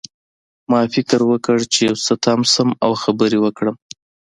ما فکر وکړ چې یو څه تم شم او خبرې وکړم